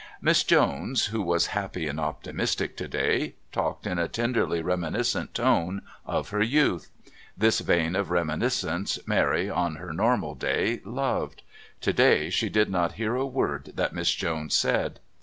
Miss Jones, who was happy and optimistic to day, talked in a tenderly reminiscent tone of her youth. This vein of reminiscence Mary, on her normal day, loved. To day she did not hear a word that Miss Jones said.